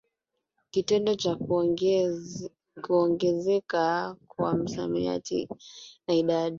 kitendo cha kuongezeka kwa misamiati na idadi